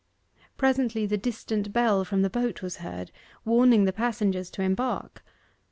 Presently the distant bell from the boat was heard, warning the passengers to embark.